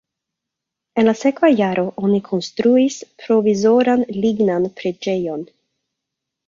En la sekva jaro oni konstruis provizoran lignan preĝejon.